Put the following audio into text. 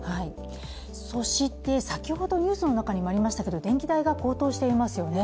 そして、先ほどニュースの中にもありましたけど電気代が高騰していますよね。